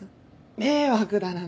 迷惑だなんて。